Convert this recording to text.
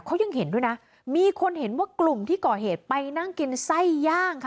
เขายังเห็นด้วยนะมีคนเห็นว่ากลุ่มที่ก่อเหตุไปนั่งกินไส้ย่างค่ะ